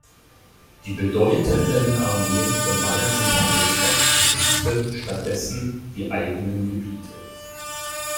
Die bedeutenden Armeen von Bayern und Hannover beschützten stattdessen die eigenen Gebiete.